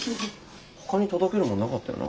ほかに届けるもんなかったよな？